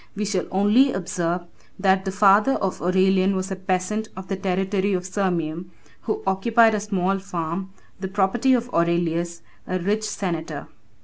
We shall only observe, that the father of Aurelian was a peasant of the territory of Sirmium, who occupied a small farm, the property of Aurelius, a rich senator.